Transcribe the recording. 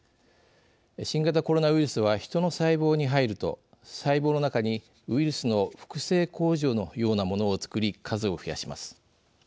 新型コロナウイルスはヒトの細胞に入ると細胞の中にウイルスの複製工場のようなものを作り数を増やします。